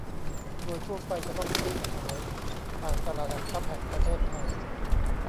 โดยทั่วไปจะต้องซื้อขายผ่านตลาดหลักทรัพย์แห่งประเทศไทย